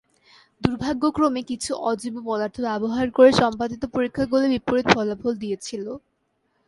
দুর্ভাগ্যক্রমে, কিছু অজৈব পদার্থ ব্যবহার করে সম্পাদিত পরীক্ষাগুলি বিপরীত ফলাফল দিয়েছিল।